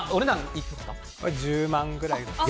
１０万ぐらいです。